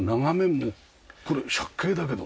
これ借景だけど。